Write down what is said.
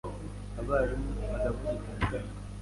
abarimu bagakubita bikanga